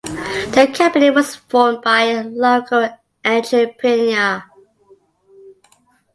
The company was formed by a local entrepreneur.